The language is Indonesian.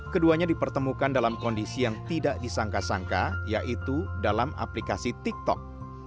keduanya dipertemukan dalam kondisi yang tidak disangka sangka yaitu dalam aplikasi tiktok